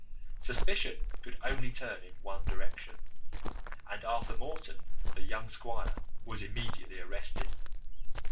Suspicion could only turn in one direction, and Arthur Morton, the young squire, was immediately arrested.